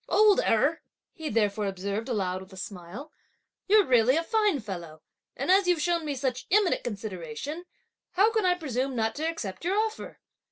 "Old Erh," he therefore observed aloud with a smile, "you're really a fine fellow, and as you've shown me such eminent consideration, how can I presume not to accept your offer!